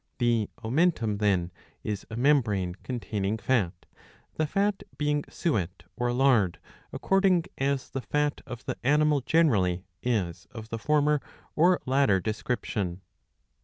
The omentum, then, is a membrane containing fat ; the fat being suet or lard according as the fat of the animaj generally is of the former or latter description.